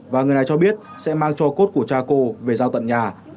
và người này cho biết sẽ mang cho cốt của cha cô về giao tận nhà